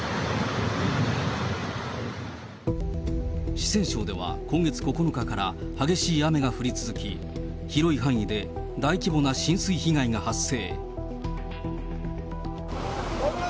四川省では今月９日から激しい雨が降り続き、広い範囲で大規模な浸水被害が発生。